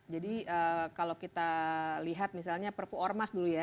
jadi kalau kita lihat misalnya perpu ormas dulu ya